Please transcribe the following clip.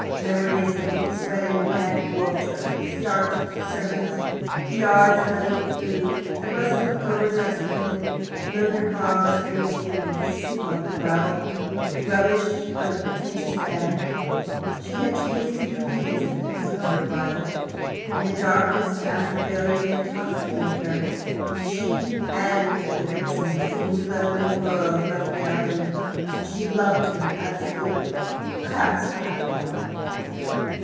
Memories of Evie's wedding had warped her, the starched servants, the yards of uneaten food, the rustle of overdressed women, motor cars oozing grease on the gravel, rubbish on a pretentious band. She had tasted the lees of this on her arrival: in the darkness, after failure, they intoxicated her. She and the victim seemed alone in a world of unreality, and she loved him absolutely, perhaps for half an hour.